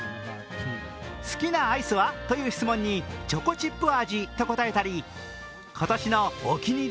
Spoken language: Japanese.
好きなアイスは？という質問に、チョコチップ味と答えたり今年のお気に入り